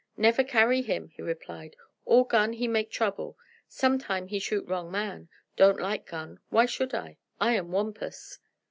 "Never carry him," he replied. "All gun he make trouble. Sometime he shoot wrong man. Don't like gun. Why should I? I am Wampus!"